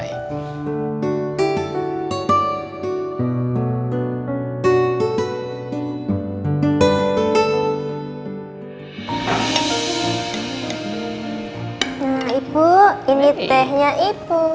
nah ibu ini tehnya ibu